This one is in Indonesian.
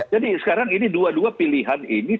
jadi sekarang ini dua dua pilihan ini